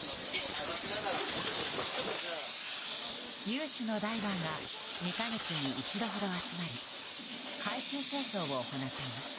有志のダイバーが２か月に一度ほど集まり海中清掃を行っています。